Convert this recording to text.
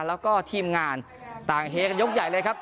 แล้วก็ทีมงานต่างเฮกันยกใหญ่เลยครับ